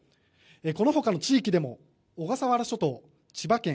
このほかの地域でも小笠原諸島、千葉県